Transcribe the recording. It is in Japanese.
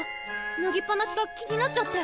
ぬぎっぱなしが気になっちゃって。